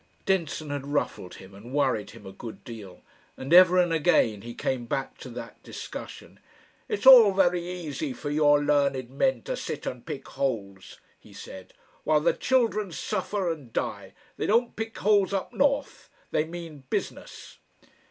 Denson had ruffled him and worried him a good deal, and ever and again he came back to that discussion. "It's all very easy for your learned men to sit and pick holes," he said, "while the children suffer and die. They don't pick holes up north. They mean business."